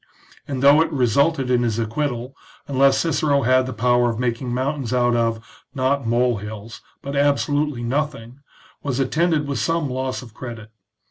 and though it resulted in his acquittal, unless Cicero had the power of making mountains out of, not mole hills, but absolutely nothing, was attended with some loss of credit.